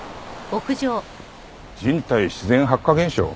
人体自然発火現象？